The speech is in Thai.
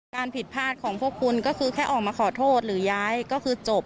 การผิดพลาดของพวกคุณก็คือแค่ออกมาขอโทษหรือย้ายก็คือจบ